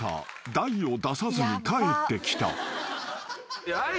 大を出さずに帰ってきた］